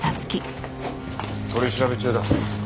取調べ中だ。